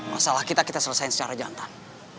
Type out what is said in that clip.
masalah kita kita selesaikan secara jantan